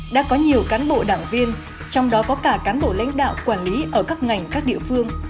đã có nhiều cán bộ đảng viên trong đó có cả cán bộ lãnh đạo quản lý ở các ngành các địa phương